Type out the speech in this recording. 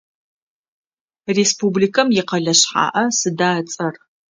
Республикэм икъэлэ шъхьаӏэ сыда ыцӏэр?